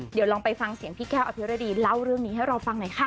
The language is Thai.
เดี๋ยวลองไปฟังเสียงพี่แก้วอภิรดีเล่าเรื่องนี้ให้เราฟังหน่อยค่ะ